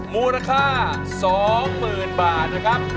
มูลค่า๒๐๐๐๐บาท